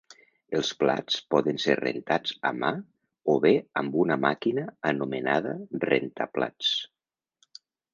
Els plats poden ser rentats a mà o bé amb una màquina anomenada rentaplats.